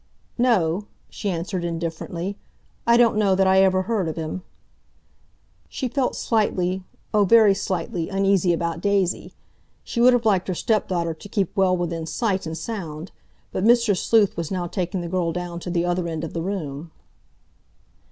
"No," she answered indifferently, "I don't know that I ever heard of him." She felt slightly—oh, very sightly—uneasy about Daisy. She would have liked her stepdaughter to keep well within sight and sound, but Mr. Sleuth was now taking the girl down to the other end of the room.